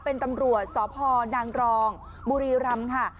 เป็นตำรวจสพนางรองบุรีรำค่ะ